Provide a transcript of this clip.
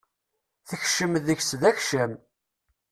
Tekcem deg-s d akcam.